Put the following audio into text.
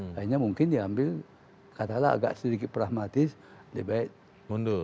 akhirnya mungkin diambil katalah agak sedikit pragmatis lebih baik mundur